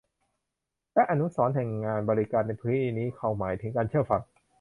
และอนุสรณ์แห่งงานบริการในที่นี้เขาหมายถึงการเชื่อฟัง